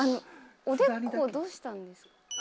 おでこどうしたんですか？